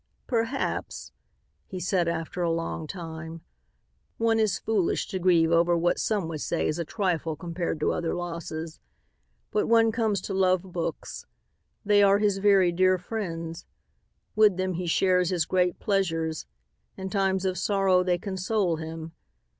"Perhaps," he said after a long time, "one is foolish to grieve over what some would say is a trifle compared to other losses. But one comes to love books. They are his very dear friends. With them he shares his great pleasures. In times of sorrow they console him.